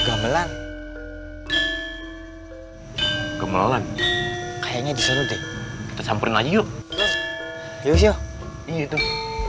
gemelan gemelan kayaknya disini sampai yuk yuk yuk yuk